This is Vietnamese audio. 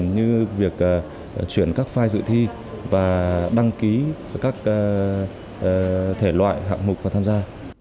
như việc chuyển các file dự thi và đăng ký các thể loại hạng mục và tham gia